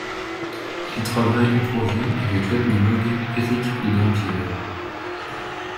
Il travaille au projet avec l'ethnologue Éric de Dampierre.